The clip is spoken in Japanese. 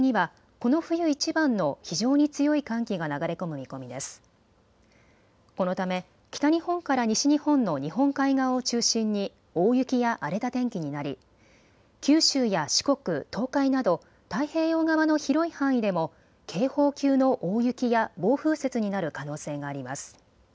このため北日本から西日本の日本海側を中心に大雪や荒れた天気になり九州や四国、東海など太平洋側の広い範囲でも警報級の大雪や暴風雪になる可能性があります。